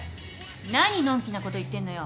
何のんきなこと言ってんのよ。